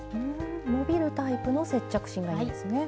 伸びるタイプの接着芯がいいんですね。